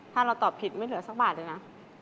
ถ้าเราตอบผิดไม่เหลือสักบาทเลยนะ